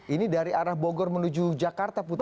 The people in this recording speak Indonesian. ini dari arah bogor menuju jakarta putri